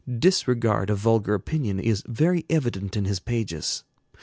Disregard of vulgar opinion is very evident in his pages.